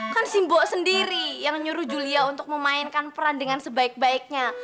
kan simbok sendiri yang nyuruh julia untuk memainkan peran dengan sebaik baiknya